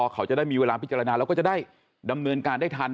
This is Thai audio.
เขาจะได้มีเวลาพิจารณาแล้วก็จะได้ดำเนินการได้ทัน